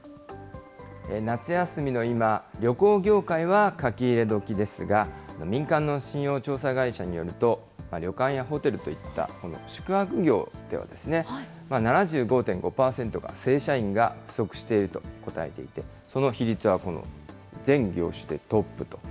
夏休みの今、旅行業界は書き入れ時ですが、民間の信用調査会社によると、旅館やホテルといったこの宿泊業では、７５．５％が正社員が不足していると答えていて、その比率は全業種でトップと。